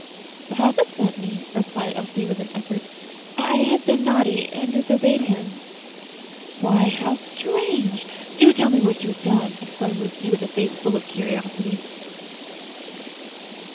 "Papa sent me," replied Elsie, with an effort. "I had been naughty, and disobeyed him." "Why, how strange! Do tell me what you had done!" exclaimed Lucy, with a face full of curiosity.